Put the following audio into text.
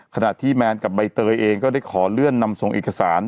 ขณะที่แมนกับใบเตยเองก็ได้ขอเลื่อนนำส่งเอกสาร